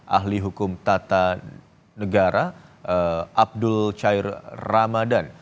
ahli hukum tata negara abdul cair ramadan